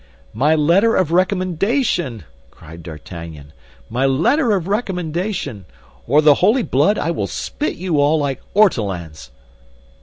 "My letter of recommendation!" cried D'Artagnan, "my letter of recommendation! or, the holy blood, I will spit you all like ortolans!"